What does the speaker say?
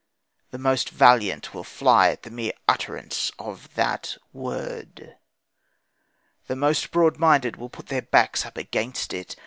The most valiant will fly at the mere utterance of that word. The most broad minded will put their backs up against it.